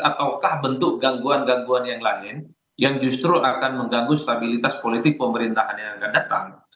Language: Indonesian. ataukah bentuk gangguan gangguan yang lain yang justru akan mengganggu stabilitas politik pemerintahan yang akan datang